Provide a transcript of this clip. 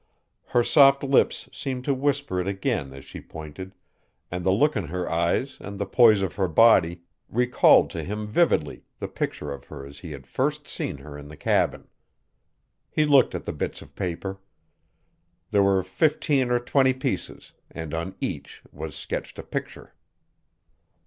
Her soft lips seemed to whisper it again as she pointed, and the look in her eyes and the poise of her body recalled to him vividly the picture of her as he had first seen her in the cabin. He looked at the bits of paper. There were fifteen or twenty pieces, and on each was sketched a picture.